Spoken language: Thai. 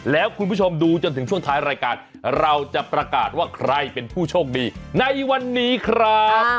แล้วคุณผู้ชมดูจนถึงช่วงท้ายรายการเราจะประกาศว่าใครเป็นผู้โชคดีในวันนี้ครับ